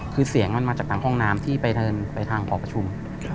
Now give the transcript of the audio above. คือเสียงมันมาจากทางห้องน้ำที่ไปทางหอประชุม